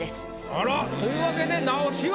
あら！というわけで直しは？